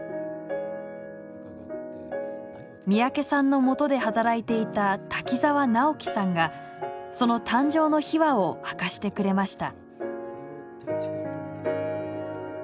三宅さんのもとで働いていた滝沢直己さんがその誕生の秘話を明かしてくれました。